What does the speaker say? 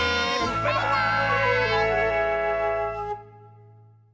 バイバーイ！